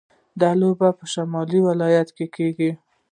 دا لوبه په شمالي ولایتونو کې کیږي.